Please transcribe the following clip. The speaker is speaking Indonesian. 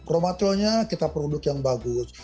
raw materialnya kita produk yang bagus